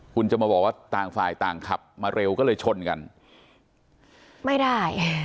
คุณจะมาบอกว่าต่างฝ่ายต่างขับมาเร็วก็เลยชนกันไม่ได้